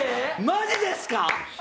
マジですか？